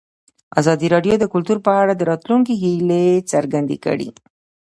ازادي راډیو د کلتور په اړه د راتلونکي هیلې څرګندې کړې.